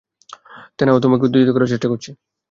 থেনা, ও তোমাকে উত্তেজিত করার চেষ্টা করছে।